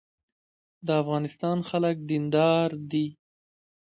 د افغانستان خلک دیندار دي